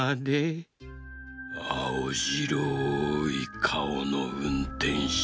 あおじろいかおのうんてんしゅ